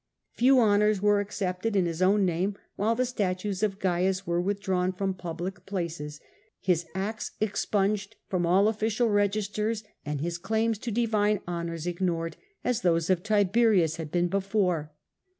Few ciliateall honours were accepted in his own name, '^*^*®®* while the statues of Caius were withdrawn from public places, his acts expunged from all official registers, and his claims to divine honours ignored, as those of Tibe rius had been before.